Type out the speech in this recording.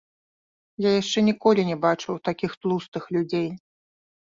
Я яшчэ ніколі не бачыў такіх тлустых людзей.